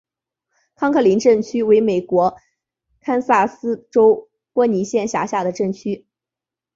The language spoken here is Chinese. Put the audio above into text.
康克林镇区为美国堪萨斯州波尼县辖下的镇区。